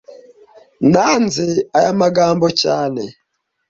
Nanze aya magambo cyane